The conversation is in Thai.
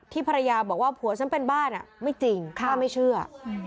ภรรยาบอกว่าผัวฉันเป็นบ้านไม่จริงป้าไม่เชื่อ